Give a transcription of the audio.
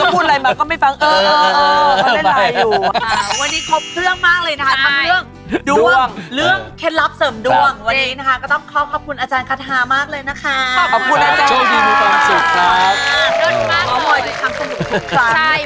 จะพูดอะไรมาไม่ฟังเออ